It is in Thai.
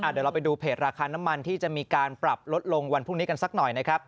เดี๋ยวเราไปดูเพจราคาน้ำมันที่จะมีการปรับลดลงวันพรุ่งนี้กันสักหน่อยนะครับ